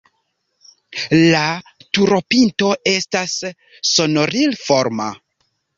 La turopinto estas sonoriloforma.